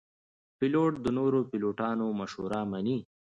پیلوټ د نورو پیلوټانو مشوره مني.